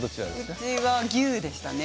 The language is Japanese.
うちは牛でしたね。